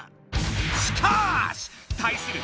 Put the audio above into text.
しかし！対する